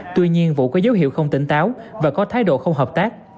tuy nhiên vũ có dấu hiệu không tỉnh táo và có thái độ không hợp tác